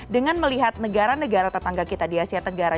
dengan melihat negara negara tetangga kita di asia tenggara